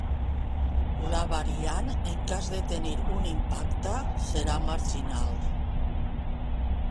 La variant, en cas de tenir un impacte, serà marginal.